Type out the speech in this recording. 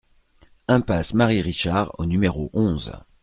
Impasse Marie Richard au numéro onze